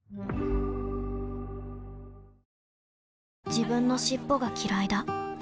自分の尻尾がきらいだ